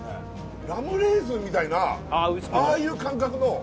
ラムレーズンみたいなああいう感覚のああ